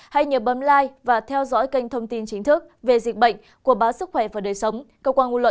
hãy nhớ bấm like và theo dõi kênh thông tin chính thức về dịch bệnh của báo sức khỏe và đời sống